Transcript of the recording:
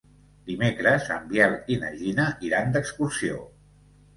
Dimecres en Biel i na Gina iran d'excursió.